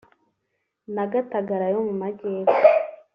na Gatagara yo mu Majyepfo